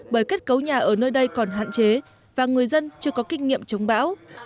bởi kết cấu nhà ở nơi đây còn hạn chế và người dân chưa có kinh nghiệm chống bão